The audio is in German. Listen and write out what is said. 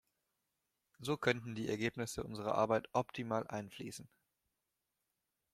So könnten die Ergebnisse unserer Arbeit optimal einfließen.